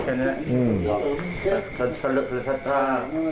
ฮะเวลาป๋อยห่าวววววววววว